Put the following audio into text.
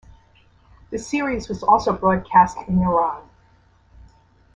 The series was also broadcast in Iran.